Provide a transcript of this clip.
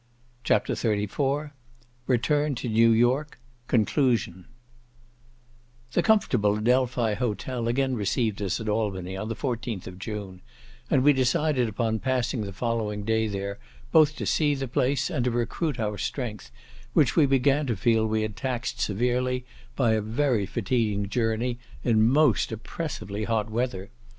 CHAPTER XXXIV Return to New York—Conclusion The comfortable Adelphi Hotel again received us at Albany, on the 14th of June, and we decided upon passing the following day there, both to see the place, and to recruit our strength, which we began to feel we had taxed severely by a very fatiguing journey, in most oppressively hot weather.